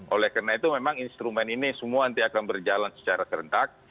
oleh karena itu memang instrumen ini semua nanti akan berjalan secara terentak